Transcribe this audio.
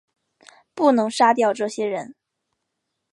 不能杀掉这些人